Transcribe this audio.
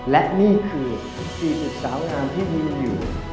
และนี่คือ๔๐สาวงามที่ดีในประเทศไทย